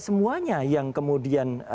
semuanya yang kemudian